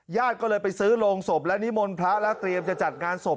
ญาติก็เลยไปซื้อโรงศพและนิมนต์พระแล้วเตรียมจะจัดงานศพ